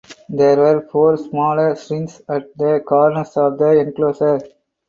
There were four smaller shrines at the corners of the enclosure.